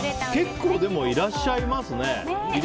結構いらっしゃいますね。